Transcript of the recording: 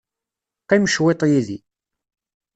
Qqim cwiṭ yid-i.